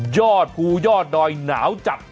ยอดภูยอดดอยหนาวจัด